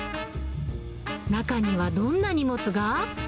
中にはどんな荷物が？